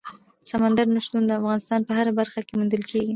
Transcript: سمندر نه شتون د افغانستان په هره برخه کې موندل کېږي.